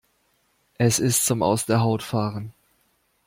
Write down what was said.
Es ist zum aus der Haut fahren!